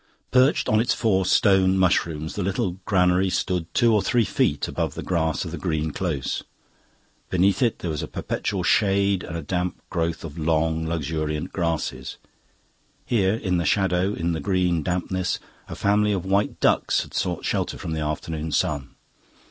Perched on its four stone mushrooms, the little granary stood two or three feet above the grass of the green close. Beneath it there was a perpetual shade and a damp growth of long, luxuriant grasses. Here, in the shadow, in the green dampness, a family of white ducks had sought shelter from the afternoon sun.